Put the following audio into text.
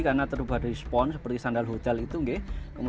karena terbuat dari spon seperti sandal hotel itu